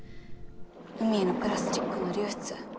海へのプラスチックの流出。